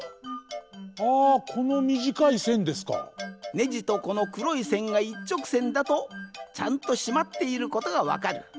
ネジとこのくろいせんがいっちょくせんだとちゃんとしまっていることがわかる。